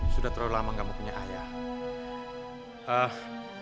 sudah terlalu lama gak mau punya ayah